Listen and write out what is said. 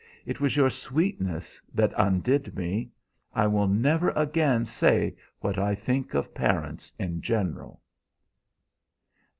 It was your sweetness that undid me. I will never again say what I think of parents in general."